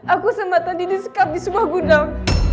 aku sama tadi disekap di subah gunam